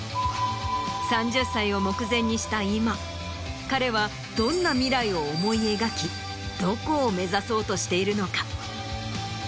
３０歳を目前にした今彼はどんな未来を思い描きどこを目指そうとしているのか？